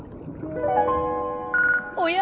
おや？